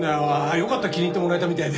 よかった気に入ってもらえたみたいで。